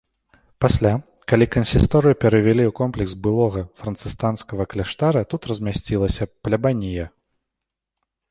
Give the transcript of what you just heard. Пасля, калі кансісторыю перавялі ў комплекс былога францысканскага кляштара, тут размясцілася плябанія.